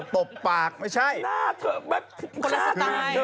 ตบปากไม่ใช่คนไอ้สไตล์คือน่าเธอแบบคือคือ